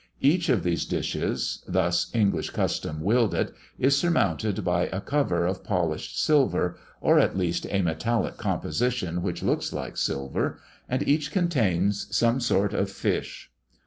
Each of these dishes thus English custom willed it is surmounted by a cover of polished silver, or at least a metallic composition which looks like silver, and each contains some sort of fish.